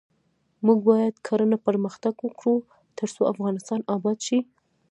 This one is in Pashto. موږ باید کرنه پرمختګ ورکړو ، ترڅو افغانستان اباد شي.